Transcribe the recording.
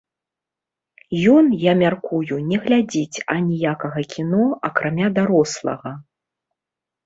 Ён, я мяркую, не глядзіць аніякага кіно, акрамя дарослага.